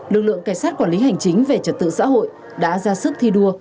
lực lượng cảnh sát quản lý hành chính về trật tự xã hội đã ra sức thi đua